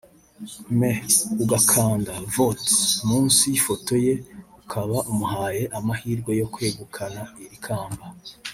me/ ugakanda “Vote” munsi y’ifoto ye ukaba umuhaye amahirwe yo kwegukana iri kamba